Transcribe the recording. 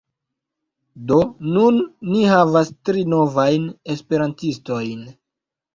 Do nun ni havas tri novajn esperantistojn.